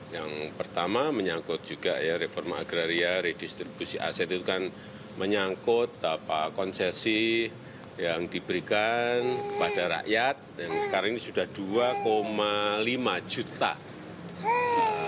yang pertama menyangkut juga ya reforma agraria redistribusi aset itu kan menyangkut konsesi yang diberikan kepada rakyat dan sekarang ini sudah dua lima juta